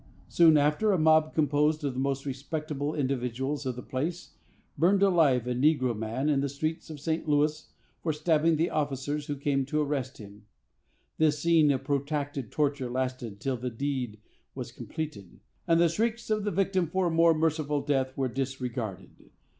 Soon after, a mob, composed of the most respectable individuals of the place, burned alive a negro man in the streets of St. Louis, for stabbing the officers who came to arrest him. This scene of protracted torture lasted till the deed was completed, and the shrieks of the victim for a more merciful death were disregarded.